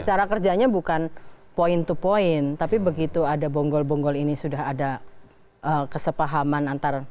cara kerjanya bukan point to point tapi begitu ada bonggol bonggol ini sudah ada kesepahaman antar